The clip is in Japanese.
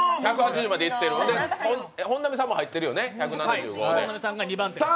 本並さんも入ってるよね、１７５で。